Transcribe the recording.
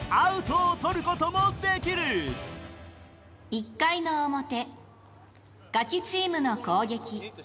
１回の表ガキチームの攻撃